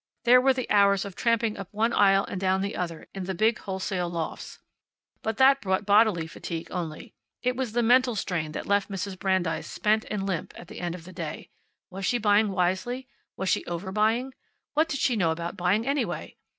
There were the hours of tramping up one aisle and down the other in the big wholesale lofts. But that brought bodily fatigue only. It was the mental strain that left Mrs. Brandeis spent and limp at the end of the day. Was she buying wisely? Was she over buying? What did she know about buying, anyway?